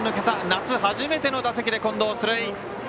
夏、初めての打席で近藤、出塁。